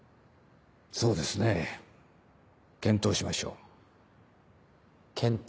そうですね検討しましょう。検討。